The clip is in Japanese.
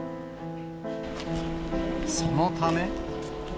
そのため。